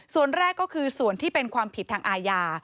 ส่วนแรกก็คือส่วนที่เป็นความผิดทางอาญา